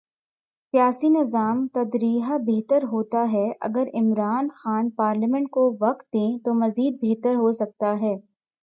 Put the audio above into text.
سیاسی نظام تدریجا بہتر ہوتا ہے اگر عمران خان پارلیمنٹ کو وقت دیں تو مزید بہتر ہو سکتا ہے۔